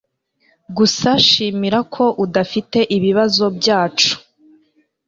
Gusa shimira ko udafite ibibazo byacu